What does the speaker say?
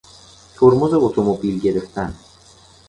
ترمز اتومبیل گرفتن